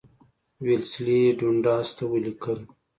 ویلسلي ډونډاس ته ولیکل.